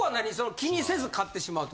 気にせず買ってしまうと。